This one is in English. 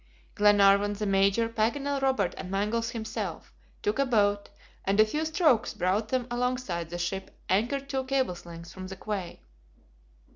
Glenarvan, the Major, Paganel, Robert, and Mangles himself, took a boat, and a few strokes brought them alongside the ship anchored two cables' length from the quay.